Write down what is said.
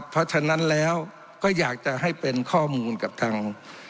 เพราะฉะนั้นแล้วก็อยากจะให้เป็นข้อมูลกับทาง